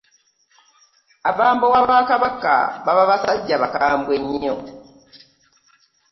Abambowa ba Kabaka baba basajja bakambwe nnyo.